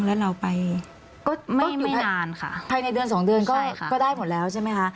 แล้วเราไปก็ต้องอยู่นานค่ะภายในเดือนสองเดือนก็ได้หมดแล้วใช่ไหมคะ